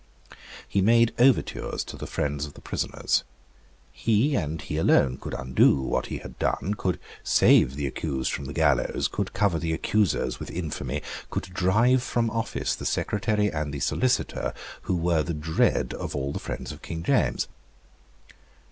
He made overtures to the friends of the prisoners. He and he alone could undo what he had done, could save the accused from the gallows, could cover the accusers with infamy, could drive from office the Secretary and the Solicitor who were the dread of all the friends of King James.